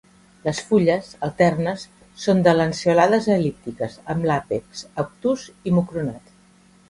Les fulles, alternes, són de lanceolades a el·líptiques, amb l'àpex obtús i mucronat.